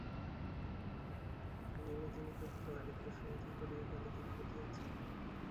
বিনোদিনী কহিল, আর-একটু সন্ধ্যা করিয়া গেলে কি ক্ষতি আছে।